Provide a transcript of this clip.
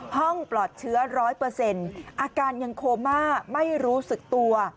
ห้องปลอดเชื้อร้อยเปอร์เซ็นต์อาการยังโคม่าไม่รู้สึกตัว